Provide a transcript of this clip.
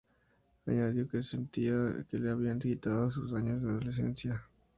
Añadió que sentía que le habían quitado sus "años de adolescencia".